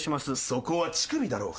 そこは乳首だろうが！